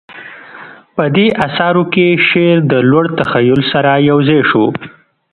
په دې اثارو کې شعر د لوړ تخیل سره یوځای شو